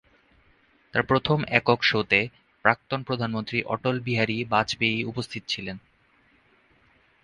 তার প্রথম একক শোতে প্রাক্তন প্রধানমন্ত্রী অটল বিহারী বাজপেয়ী উপস্থিত ছিলেন।